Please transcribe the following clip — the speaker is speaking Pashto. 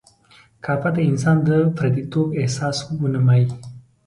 کافکا د انسان د پردیتوب احساس ونمایي.